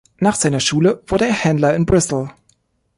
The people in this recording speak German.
Nach seiner Schule wurde er Händler in Bristol.